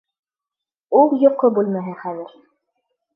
Ул йоҡо бүлмәһе хәҙер.